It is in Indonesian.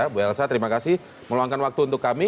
bu elsa terima kasih meluangkan waktu untuk kami